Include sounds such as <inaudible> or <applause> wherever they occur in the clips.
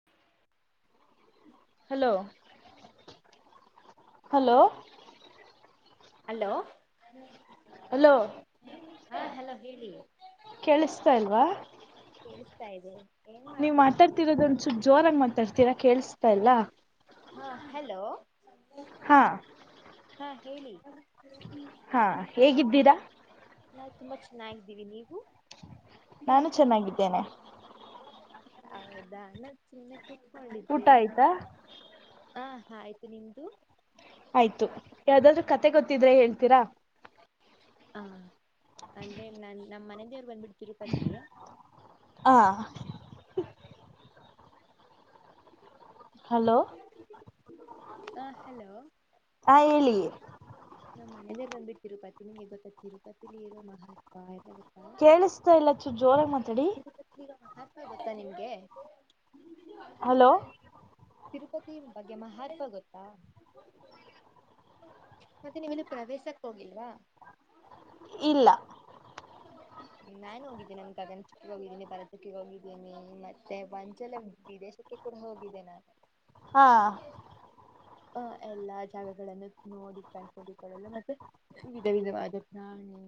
<inaudible> Hello hello. Hello hello ಹಾ hello ಹೇಳಿ ಕೇಳಿಸ್ತಾಯಿಲ್ವಾ. ಕೇಳಿಸ್ತಾ ಇದೆ ಏನ್ ಮಾಡ್ತಿರೋದು ನೀವು. ಮಾತಾಡ್ತಿರೋದ ಒಂದ್ ಸ್ವಲ್ಪ ಜೋರಾಗಿ ಮಾತಾಡ್ತೀರಾ ಕೇಳಿಸ್ತಾಯಿಲ್ಲ. ಹ ಹಲೋ. ಹಾ ಹಾ ಹೇಳಿ. ಹಾ ಹೇಗಿದ್ದೀರಾ ನಾವು ತುಂಬಾ ಚೆನ್ನಾಗಿದ್ದೀವಿ ನೀವು ನಾನು <unintelligible> ಚೆನ್ನಾಗಿದ್ದೇನೆ ಹೌದಾ ನಾ ಚುಮ್ನೆ ಕೂತ್ಕೊಂಡ್ ಊಟ ಇದ್ದೆ. ಆಯ್ತಾ ಹಾ ಆಯ್ತು ನಿಮ್ದು. ಆಯ್ತು ಯಾವ್ದಾದರು ಕತೆ ಗೊತ್ತಿದ್ರೆ ಹೇಳ್ತೀರಾ? ಹಾ ಅಂದ್ರೆ ನನ್ ನಮ್ಮ್ ಮನೆದೇವರು ಬಂದ್ಬಿಟ್ಟ ತಿರುಪತಿ. ಹಾ ಹಲೋ <inaudible> ಹಾ ಹೆಲೋ ಹಾ ಹೇಳಿ ನಮ್ಮ್ ಮನೆದೇವರ ಬಂದ್ಬಿಟ್ಟ ತಿರುಪತಿ ನಿಂಗೆ ಗೊತ್ತಾ ತಿರುಪತಿಲಿ ಇರೋ ಮಹತ್ವ ಇದೆ ಗೊತ್ತಾ? ಕೇಳಿಸ್ತಾ ಇಲ್ಲ ಚೂ ಜೋರಾಗ ಮಾತಾಡಿ ಈಗ ಮಹಾತ್ಮ ಗೊತ್ತಾ ನಿಮ್ಗೆ ಹಲೋ ತಿರುಪತಿ ಬಗ್ಗೆ ಮಹತ್ವ ಗೊತ್ತಾ? ಮತ್ತೆ ನೀವುನ್ನು ಪ್ರವೇಶಕ್ ಹೋಗಿಲ್ವಾ? ಇಲ್ಲಾ <inaudible> ನಾನ್ ಹೋಗಿದ್ದೀನಿ ನಮ ಗಗನ ಚುಕ್ಕೆಗೆ ಹೋಗಿದ್ದೀನಿ ಭರತ ಚುಕ್ಕೆ ಗೆ ಹೋಗಿದ್ದೀನಿ ಮತ್ತೆ ಒಂಚೆಲ್ಲ ವಿದೇಶಕ್ಕೆ ಹೋಗಿದ್ದೆ ನಾನು ಹಾ ಆ ಎಲ್ಲಾ ಜಾಗಗಳನ್ನು ನೋಡಿ ಕಣ್ಣ ತುಂಬಿ ಕೊಳ್ಳಲು ಮತ್ತು ವಿಧ ವಿಧವಾದ ಪ್ರಾಣಿ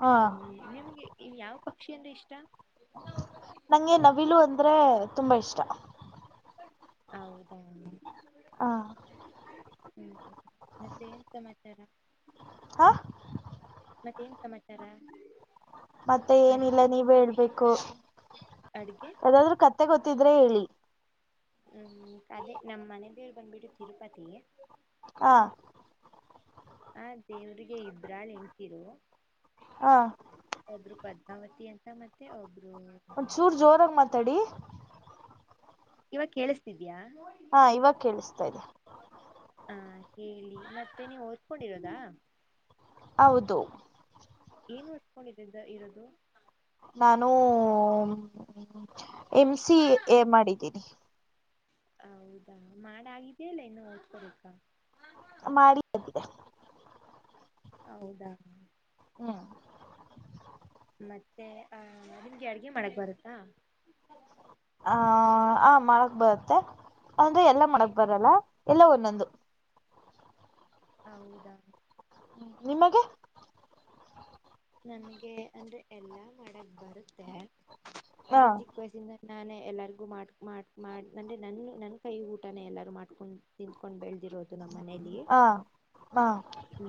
ಹಾ ನಿಮ್ಗೆ ಯಾವ ಪಕ್ಷಿ ಅಂದ್ರೆ ಇಷ್ಟ? ನಂಗೆ ನವಿಲು ಅಂದ್ರೆ ತುಂಬಾ ಇಷ್ಟ. <unintelligible> ಹೌದಾ... ಹಾ ಹ್ಮ್ ಮತ್ತೆ ಏನ್ ಸಮಾಚಾರ ಹಾ ಮತ್ತೇನ್ ಸಮಾಚಾರ ಮತ್ತೆ ಏನಿಲ್ಲ ಅಡ್ಗೆ ನೀವ ಹೇಳ್ಬೇಕು ಅಡ್ಗೆ <inaudible> ಯದಾದ್ರು ಕತ್ತೆ ಗೊತ್ತಿದ್ರೆ ಹೇಳಿ ಹ್ಮ್ ಹ್ಮ್ಮ್ ಅದೆ ನಮ್ಮ್ ಮನೆದೇವರ ಬಂದ್ಬಿಟ್ಟು ತಿರುಪತಿಗೆ ಹಾ ಆ ದೇವ್ರಿಗೆ ಇಬ್ರಾಳ್ ಹೆಂತಿರು ಹಾ ಒಬ್ಬರು ಪದ್ಮಾವತಿ ಅಂತಾ. ಮತ್ತೆ ಒಬ್ರು <unintelligible> ಒನ್ ಚೂರ್ ಜೋರಾಗ ಮಾತಾಡಿ ಇವಾಗ ಕೇಳಿಸತಿದ್ಯಾ ಹಾ ಇವಾಗ ಕೇಳಿಸ್ತಾ ಇದೆ <inaudible> ಹಾ ಹೇಳಿ ಮತ್ತೆ ನೀವು ಓದ್ಕೊಂಡಿರೋದಾ. ಹೌದು ಏನ್ ಓದಕೊಂಡ ಇರೋದು ನಾನು ಎಮ ಸಿ ಎ ಮಾಡಿದ್ದೀನಿ <inaudible> ಹೌದಾ ಮಾಡಾಗಿದೆಯಾ ಇಲ್ಲ ಇನ್ನು ಓದಕೊ ಬೇಕಾ ಮಾಡಿ <unintelligible> ಹೌದಾ ಹ್ಮ್ ಮತ್ತೆ ಆ ಓಕೆ ಅಡಗಿ ಮಾಡಕ್ ಬರುತ್ತಾ? <inaudible> ಹ ಆ ಮಾಡಕ್ ಬರುತ್ತೆ ಅಂದ್ರೆ ಎಲ್ಲಾ ಏ ಮಾಡಕ್ ಬರಲ್ಲ ಎಲ್ಲ ಒಂದೊಂದು. <inaudible> ಹೌದಾ? <inaudible> ನಿಮಗೆ? <inaudible> ನನಗೆ ಅಂದ್ರೆ ಎಲ್ಲಾ ಮಾಡಕ್ ಬರುತ್ತೆ ಹ ಅಂದ್ರೆ ಚಿ <inaudible> ವಯಸಿಂದ ನಾನೇ ಎಲ್ಲಾರಿಗೂ ಮಾಡ ಮಾಡ ಮಾಡತಾನೆ ನನ್ನ ನನ್ನ ಕೈ ಊಟನ ಎಲ್ಲಾರು ಮಾಡ್ಕೊಂಡ್ <inaudible> ತಿಂದಕೊಂಡ್ ಬೆಳದಿರೋದು ನಮ್ಮಮನೆಯಲ್ಲಿ <inaudible> ಆ ಹಾ <inaudible> ಹೂ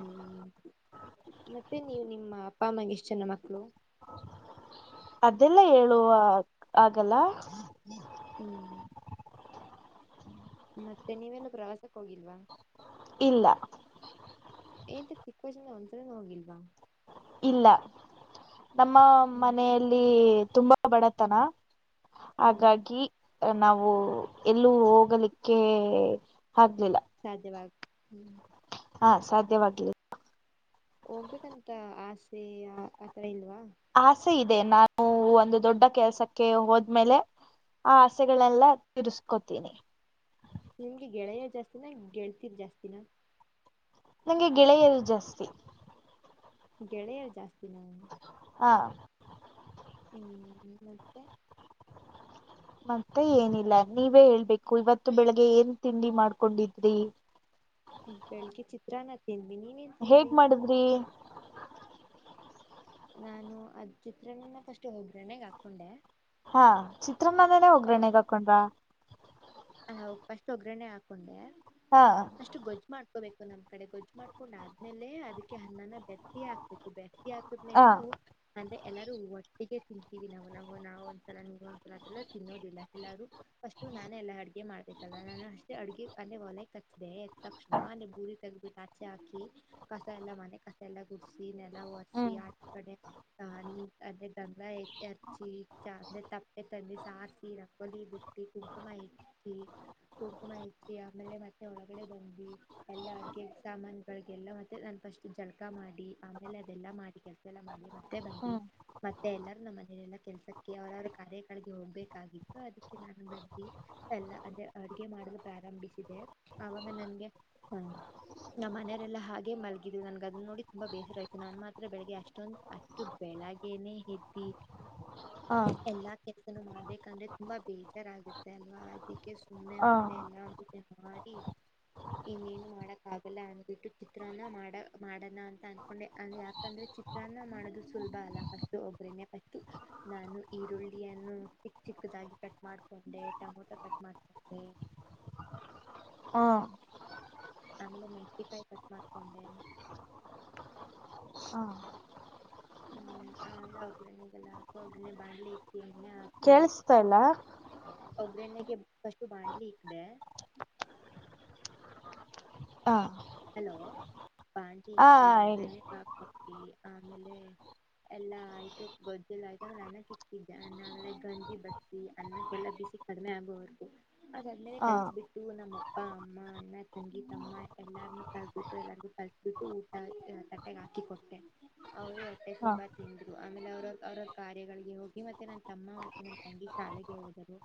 ಮತ್ತೆ ನೀ ನೀವು ನಿಮ್ಮ ಅಪ್ಪ ಅಮ್ಮಗೆ ಎಷ್ಟ ಜನ ಮಕ್ಕಳು? <inaudible> ಅದೆಲ್ಲ ಹೇಳುವ ಆಗಲ್ಲ? <inaudible> ಹೂ ಹೂ <inaudible> ಮತ್ತೆ ನೀವೆಲ್ಲ ಪ್ರವಾಸಕ್ಕೆ ಹೋಗಿಲ್ವಾ? <inaudible> ಇಲ್ಲಾ? <inaudible> ಏತಕ್ಕೇ ಸಿಕ್ವಜನ ಒನ್ ಸಲಾನೋ ಹೋಗಿಲ್ವಾ? <inaudible> ಇಲ್ಲಾ ನಮ್ಮ ಹ್ಮ್ ಮನೆಯಲ್ಲಿ ತುಂಬಾ ಬಡತನ <inaudible> ಹ್ಮ್ ಹಾಗಾಗಿ. <inaudible> ನಾವು ಎಲ್ಲೂ ಹೋಗಲಿಕ್ಕೆ ಆಗಲಿಲ್ಲ. <inaudible> ಸಾಧ್ಯವಾಗ ಹೂ <inaudible> ಹಾ ಸಾಧ್ಯವಾಗಲಿ. <inaudible> ಹೋಗ ಬೇಕಂತ ಆಸೆ ಆತರ ಇಲ್ವಾ? <inaudible> ಆಸೆ ಇದೆ ನಾನು ಒಂದು ದೊಡ್ಡ ಕೆಲ್ಸಕ್ಕೆ ಹೋದ್ಮೇಲೆ? <inaudible> ಆ ಆಸೆಗಳ ಎಲ್ಲಾ ತಿರಸ್ಕೋತೀನಿ. <inaudible> ನಿಮಗೆ ಗೆಳೆಯ ಜಾಸ್ತಿನಾ ಗೆಳತಿರ್ ಜಾಸ್ತಿನಾ? <inaudible> ನಂಗೆ ಗೆಳೆಯರು ಜಾಸ್ತಿ. <inaudible> ಗೆಳೆಯರ ಜಾಸ್ತಿ ನಾ? <inaudible> ಹಾ <inaudible> ಹೂ ಮತ್ತೆ? <inaudible> ಮತ್ತೆ ಏನಿಲ್ಲ ನೀವೇ ಹೇಳ್ಬೇಕು ಇವತ್ತು ಬೆಳಿಗ್ಗೆ ಏನ್ ತಿಂಡಿ ಮಾಡ್ಕೊಂಡಿದರಿ. <inaudible> ಬೆಳಿಗ್ಗೆ ಚಿತ್ರಾ ಅನ್ನ ತಿಂದಿವಿ ನೀನ ಏ <inaudible> ಹೇಗ್ ಮಾಡಿದರಿ. <inaudible> ನಾನು ಅದ ಚಿತ್ರ ಅನ್ನ ಫಸ್ಟ್ ಒಗರಣ್ಣೆಗ್ ಹಾಕೊಂಡೆ. <inaudible> ಹಾ ಚಿತ್ರಅನ್ನನೇನೆೇ ಒಗರಣ್ಣೆಗ್ ಹಾಕೊಂಡರಾ? <inaudible> ಹಾ ಫಸ್ಟ್ ಒಗರಣೇ ಹಾಕೊಂಡೆ. <inaudible> ಹಾ <inaudible> ಪಷ್ಟು ಗೊಜ್ಜು ಮಾಡ್ಕೋಬೇಕು ನಮ್ಮ ಕಡೆ ಗೊಜ್ಜ ಮಾಡಕೊಂಡು ಆದ್ಮೇಲೆ ಅದಕ್ಕೆ ಅನ್ನನ ಬೆತ್ತಿ ಹಾಕ್ಬೇಕು ಬೆ <inaudible> ಬೆತ್ತಿ ಹಾಕಿದ್ ಮೇಲೆ ಹಾ ನಾವು? <inaudible> ಅಂದ್ರೆ ಎಲ್ಲಾರೂ ಒಟ್ಟಿಗೆ ತಿಂತೀವಿ ನಾವ್ ನಾವವು ಒಂದ್ಸಲ ನಿವಒಂದ್ಸಲ ಅದೆಲ್ಲ ತಿನ್ನೋದಿಲ್ಲ ಎಲ್ಲಾರು <inaudible> ಪಷ್ಟು ನಾನೆ ಎಲ್ಲಾ ಅಡಗಿ <inaudible> ಅಡಗೆ ಮಾಡ್ಬೇಕಲ್ಲ ನಾನು ಅಷ್ಟೇ ಅಡಗೆ ಅಲ್ಲೇ ಒಲೆಗೆ ಕಚ್ಚಿದೆ ತಕ್ಷಣ ಅಲ್ಲೇ ಬೂದಿ ತಗಬಿಟ್ಟು ಆಚೆ ಹಾಕಿ. <inaudible> ಕಸ ಎಲ್ಲಾ ಮನೆ ಕಸ ಎಲ್ಲಾ ಗುಡಸಿ ನೆಲ ಒರೆಸಿ ಹ್ಮ್ ಆಚ ಕಡೆ. <inaudible> ಸಾನೀ ಅದೇ ಗಂಧ ಎಚ್ಚಿ ಚಾನಂದ ತಪ್ಪೆ ತದಿ ಸಾರಿಸಿ ರಂಗೋಲಿ ಬಿಟ್ಟ <inaudible> ಟ್ಟಿ ಕುಂಕಮಾ ಇಟ್ಟಿ. <inaudible> ಕುಂಕುಮ ಇತ್ವಿ ಆಮೇಲೆ ಮತ್ತೆ ಒಳಗಡೆ ಬಂದ್ವಿ ಎಲ್ಲಾ ಅಡಗೆ ಸಾಮಾನು <inaudible> ಬೆಳ್ಳಿಗೆ ಎಲ್ಲಾ ಒಂದೇ ನಾನ್ ಫಸ್ಟ್ ಜಳಕ ಮಾಡಿ ಆಮೇಲೆ ಅದೆಲ್ಲಾ ಮಾಡಿ ಕೆಲಸಾ ಎಲ್ಲಾ ಮಾಡಿ ಮತ್ತೆ ಬಂದಿ ಹ್ಮ್ <inaudible> ಮತ್ತೆ ಎಲ್ಲರೂ ನಮ್ಮ ಮನೇಲೀ ಎಲ್ಲಾ ಕೆಲಸಕ್ಕೆ ಅವರ ಅವರ ಕಾರ್ಯ ಗಳಿಗೆ ಹೋಗ್ಬೇಕಾಗಿತ್ತು ಅದಕ್ಕೆ ನಾನು ಬಂದಿವಿ. <inaudible> ಎಲ್ಲ ಅಂದ್ರೆ ಅಡುಗೆ ಮಾಡಲು ಪ್ರಾರಂಭಿಸಿದೆ ಆವಾಗ ನನ್ಗೆ ಹಾ ನಮ್ಮ ಮನೆಯರೆಲ್ಲ ಹಾಗೆ ಮಲಗಿದ್ ನನ್ಗೆ ಅದನ್ನ ನೋಡಿ ತುಂಬಾ ಬೇಸರ ಆಯ್ತ ನನ್ ಮಾತ್ರ ಬೆಳಗ್ಗೆಷ್ಟೊಂದು ಅಷ್ಟ ಇ ಬೆಳಗ್ಗೆಯೇ ಎದ್ದಿ ಹಾಂ ಎಲ್ಲಾ ಕೆಲಸನು ಮಾಡಬೇಕಂದ್ರೆ ತುಂಬಾ ಬೇಜಾರಾಗುತ್ತೆ ಅಲ್ವಾ ಅದಕ್ಕೆ ಸುಮ್ಮನೆ ಹಾ ಆದ ಎಲ್ಲ ಮಾಡಿ ಇನ್ನೇನು ಮಾಡಕ್ ಆಗಲ್ಲ ಅಂದ್ಬಿಟ್ಟು ಚಿತ್ರನ್ನ ಮಾಡ ಮಾಡೋಣ ಅಂತ ಅನ್ಕೊಂಡೆ ಅ ಯಾಕಂದ್ರೆ ಚಿತ್ರ ಸ್ನ ಮಾಡೋದು ಸುಲಭ ಅಲ್ಲ ಫಸ್ಟ್ ಒಬ್ರನೇ ಫಸ್ಟ್ ನಾನು ಈರುಳ್ಳಿಯನ್ನು ಚಿಕ್ ಚಿಕ್ಕದಾಗಿ ಕಟ್ ಮಾಡ್ಕೊಂಡೆ ಟೊಮೊಟೊ ಕಟ್ ಮಾಡ್ತೆ ಹಾ ಆಮೇಲೆ ಮೆಣಸಿಕಾಯಿ ಕಟ್ ಮಾಡ್ಕೊಂಡೆ ಹಾ ಹ್ಮ್ ಒಗ್ಗರಣಗೆಲ್ಲ ಹಾಕ ಒಗ್ಗನೆೆ ಬಾಣ್ಲಿ ಇಕಿ ಎಣ್ಣೆ ಹಾಕ ಕೇೇಳಿಸ್ತಾಇಲ್ಲಾ ಒಬ್ರಣ್ಣೆಗೆ ಫಸ್ಟು ಬಾಣ್ಲಿ ಇಕ್ದೆ ಹಾ ಹಲೋ ಬಾಂಡಿ ಹಾ ಇಕ್ಕಿ ಹೇಳಿ ಒಗರನೆಕ್ ಹಾಕಟ್ಟಿ ಆಮೇಲೆ ಎಲ್ಲಾ ಆಯ್ತು ಗೊಜ್ಜಲ್ಲ ಆಯ್ತಾಗ ಅನ್ನಕ್ಕೆ ಇಕ್ಕಿದ್ದೆ ಗಂಜಿ ಬ ಅನ್ನಕ್ಕೆಲ್ಲ ಬಿಸಿ ಕಡಿಮೆ ಆಗೋವರೇಗು ಅದಲ್ಲೇ ಹ ಕಲ್ಸಬಿಟ್ಟು ನಮ್ಮ ಅಪ್ಪ ಅಮ್ಮ ಅಣ್ಣ ತಂಗಿ ತಮ್ಮ ಎಲ್ಲಾರ್ನ್ನು ತಲ್ಬಿಟ್ಟು ಎಲ್ಲಾರ್ಗೂ ಕಲ್ಸ್ಬಿಟ್ಟು ಊಟ ತಟ್ಟೆಗೆ ಹಾಕಿ ಕೊಟ್ಟೆ ಅವರು ಹೋಟ್ಟೆ ಹ ತುಂಬಾ ತಿಂದ್ರು ಆಮೇಲೆ ಅವ್ರ ಅವ್ರ ಕಾರ್ಯಗಳಿಗೆ ಹೋಗಿ ಮತ್ತೆ ನನ್ ತಮ್ಮ ಮತ್ತೆ ನನ್ನ ತಂಗಿ ಶಾಲೆಗೆ ಹೋದರು.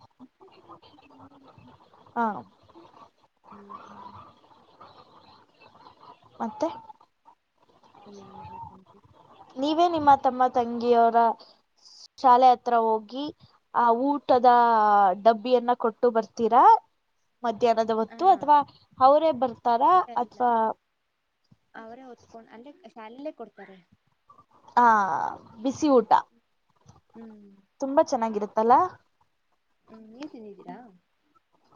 ಹಾ ಹ ಹ್ಞ ಹ್ಞ ಮೆ ನಿಮನುಲ್ಲತ <unintelligible> ನೀವೇ ನಿಮ್ಮ ತಮ್ಮ ತಂಗಿಯವರ ಶಾಲೆ ಹತ್ರ ಹೋಗಿ ಆ ಊಟದ ಡಬ್ಬಿಯನ್ನ ಕೊಟ್ಟು ಬರ್ತೀರಾ ಮಧ್ಯಾಹ್ನದ ಹೊತ್ತು ಹ ಅಥವಾ ಅವರೇ ಬರ್ತಾರಾ ಇಲ್ಲ ಇಲ್ಲ ಅಥವಾ ಅವರೇ ಹೊತ್ಕೊಂಡ್ ಅಲ್ಲಿೇ ಶಾಲಲ್ಲೇ ಕೊಡ್ತಾರೆ ಹ ಬಿಸಿ ಊಟಾ ಹ್ಮ್ ತುಂಬಾ ಚೆನ್ನಾಗಿರುತ್ತಲ್ಲಾ ಹ್ಮ್ ನೀವು ತಿಂದಿದ್ದೀರಾ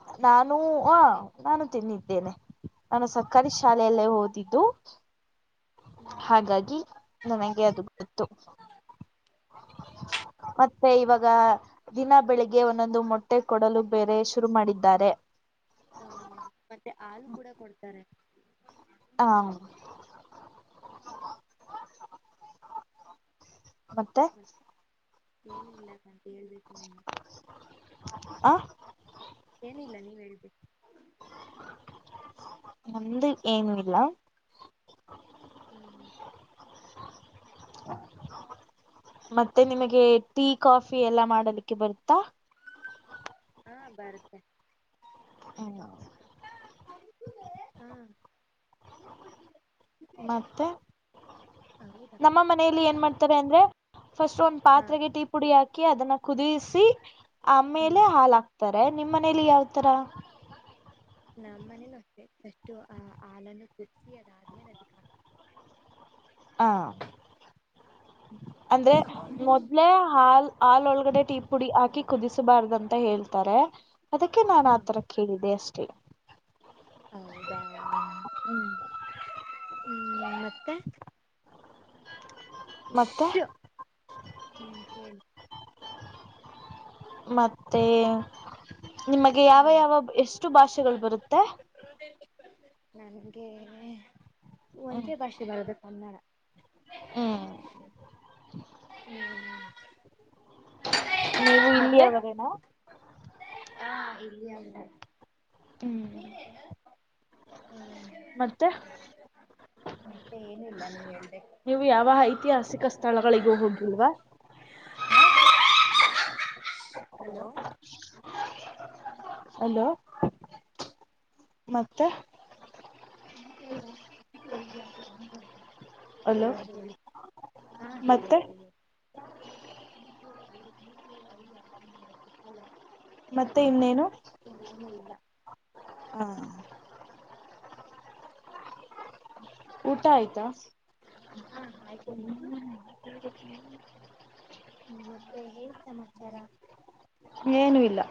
ಹಾ ನಾನು ಆ ನಾನು ತಿನ್ನಿದ್ದೇನೆ ನಾನು ಸರ್ಕಾರಿ ಶಾಲೆಯಲ್ಲೇ ಓದಿದ್ದು ಹಾಗಾಗಿ ನನಗೆ ಅದು ಗೊತ್ತು ಮತ್ತೆ ಇವಾಗ ದಿನ ಬೆಳಿಗ್ಗೆ ಒಂದೊಂದು ಮೊಟ್ಟೆ ಮೊಟ್ಟೆ ಕೊಡಲು ಬೇರೆ ಶುರು ಮಾಡಿದ್ದಾರೆ ಹ ಮತ್ತೆ ಹಾಲು ಕೂಡ ಕೊಡ್ತಾರೆ ಹಾ ಮತ್ತೆ ಏನಿಲ್ಲಾ ಹೇಳ್ಬೇಕು ನೀವೇ ಆ ಏನಿಲ್ಲ ನೀವ್ ಹೇಳ್ಬೇಕು ನಮ್ದು ಏನು ಇಲ್ಲ ಹ್ಮ್ <inaudible> ಮತ್ತೆ ನಿಮಗೆ ಟೀ ಕಾಫಿ ಎಲ್ಲ ಮಾಡದಕ್ಕೆ ಬರುತ್ತಾ? <inaudible> ಹಾ ಬರುತ್ತೆ <inaudible> <unintelligible> ಹಾ ಮತ್ತೆ ಹೌದಾ <inaudible> ನಮ್ಮ ಮನೆಯಲ್ಲಿ ಏನ್ ಮಾಡ್ತಾರೆ ಅಂದ್ರೆ ಫಸ್ಟ್ ಒಂದು ಹಾ ಪಾತ್ರೆಗೆ ಟೀ ಪುಡಿ ಹಾಕಿ ಅದನ್ನ ಕುದಿಸಿ ಹ್ಮ್ ಆಮೇಲೆ ಹಾಲ ಹಾಕ್ತ ತಾರೆ ನಿಮ್ಮ್ ಮನೇಲಿ ಯಾವ ತರ ನಮ್ಮ ಮನೇಲ ಅಷ್ಟೆ ಪಸ್ಟು ಹಾಲನ್ನು ಕುದಸಿ ಅದಾದ್ಮೇಲೆ ಅದಕ್ಕಾಕ್ತದೆ. ಹಾ ಅಂದ್ರೆ ಹಾಕ್ತಾರೆ ಮೊದ್ಲೆೇ ಹಾಲ್ ಹಾಲ ಒಳಗಡೆ ಟೀ ಪುಡಿ ಹಾಕಿ ಕುದಿಸಬಾರ್ದಂತ ಹೇಳ್ತಾರೆ ಅದಕ್ಕೆ ನಾನ ಹಾ ಆತರ ಕೇಳಿದೆ ಅಷ್ಟೇ. ಹೌದಾ <unintelligible> ಮತ್ತೆ ಮತ್ತೆ ಶು ಹ್ಮ್ ಹೇಳಿ <inaudible> ಮತ್ತೆ ನಿಮಗೆ ಹಾ ಯಾವ ಯಾವ ಎಷ್ಟು ಭಾಷೆಗಳು ಬರುತ್ತೆ <unintelligible> ನನ್ಗೆ <inaudible> ಹ್ಮ್ ಒಂದೇ ಭಾಷೆ ಯಾವದಕ್ಕಒಂದರ ಹ್ಮ್ ಹ್ಮ್ ನೀವು ಇಲ್ಲಿಯ ಮತ್ತೆ ಅವರೇನ? ಹಾ ಇಲ್ಲಿ ಅಲ್ಲಿ ಹ್ಮ್ ನೀನೇನ್ <unintelligible> ಮತ್ತೆ ಹಾ ಮತ್ತೆ ಏನು ಇಲ್ಲ ನೀವ್ ಹೇಳ್ಬೇಕು <inaudible> ನೀವು ಯಾವ ಐತಿಹಾಸಿಕ ಸ್ಥಳಗಳಿಗೂ ಹೋಗಿಲ್ವಾ? <unintelligible> ಹಲೋ ಹಲೋ <inaudible> ಮತ್ತೆ <inaudible> <unintelligible> ಅಲೋ ಹಾ ಹೇಳಿ ಹಾ ಹೇಳಿ ಮತ್ತೆ ಹೇಳಿ ಮತ್ತೆ ಇನ್ನೇನು ಏನು ಇಲ್ಲ <unintelligible> ಹ್ಮ್ಮ್ ಊಟ ಆಯ್ತಾ ಹಾ ಆಯ್ತು ನಿಮ್ದು <unintelligible> ಮತ್ತೆ ಹೇನ್ ಸಮಾಚಾರ ಏನು ಇಲ್ಲ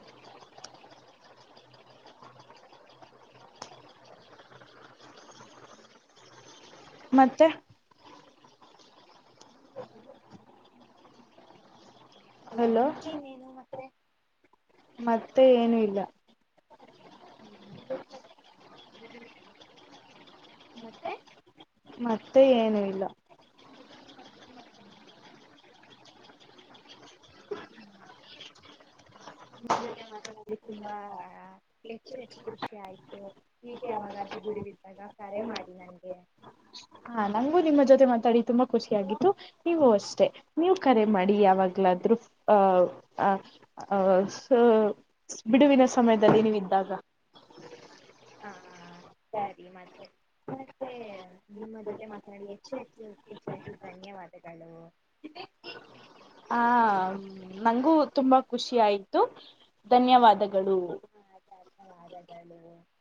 ಮತ್ತೆ <unintelligible> ಹಲೋ ಮತ್ತೆ ಇನ್ನೇನು ಮತ್ತೆ ಮತ್ತೆ ಏನು ಇಲ್ಲ ಹ್ಮ್ ಹ್ಮ್ ಮತ್ತೆ ಮತ್ತೆ ಏನು ಇಲ್ಲ <inaudible> ಅಲ್ಲಿ ತುಂಬಾ ಹೆಚ್ಚು ಹೆಚ್ಚು ಖುಷಿ ಆಯ್ತು. ಈಗೆ ಯಾವಾಗ ಆದ್ರೂ ಬಿಡು ಇದ್ದಾಗ ಕರೆ ಮಾಡಿ ನಂಗೆ. ಹಾ ನಂಗೂ ನಿಮ್ಮ ಜೊತೆ ಮಾತಾಡಿ ತುಂಬಾ ಖುಷಿಯಾಗಿತ್ತು ನೀವು ಅಷ್ಟೆ ನೀವು ಕರೆ ಮಾಡಿ ಯಾವಾಗ್ಲಾದ್ರು ಅ ಆ ಅ ಸೋ ಬಿಡುವಿನ ಸಮಯದಲ್ಲಿ ನೀವ್ ಇದ್ದಾಗ. ಹಾ ಹಾ ಸರಿ ಮತ್ತೆ ಮತ್ತೆ ನಿಮ್ಮ ಜೊತೆ ಮಾತನಾಡಿ ಹೆಚ್ಚು ಹೆಚ್ಚು ಖುಷಿ ಆಯ್ತು ಧನ್ಯವಾದಗಳು. ಆ ನಂಗೂ ತುಂಬಾ ಖುಷಿ ಆಯ್ತು ಧನ್ಯವಾದಗಳು. ಹ ಆಯ್ತ್ ಆಯ್ತ್ <unintelligible>